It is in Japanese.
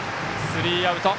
スリーアウト。